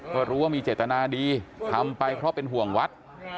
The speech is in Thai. ก็รู้ว่ามีเจตนาดีทำไปเพราะเป็นห่วงวัด